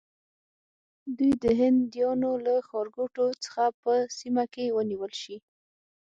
دوی دې د هندیانو له ښارګوټو څخه په سیمه کې ونیول شي.